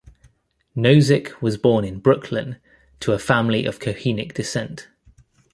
Nozick was born in Brooklyn to a family of Kohenic descent.